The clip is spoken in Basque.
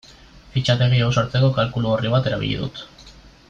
Fitxategi hau sortzeko kalkulu-orri bat erabili dut.